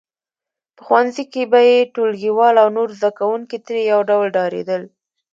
په ښوونځي کې به یې ټولګیوال او نور زده کوونکي ترې یو ډول ډارېدل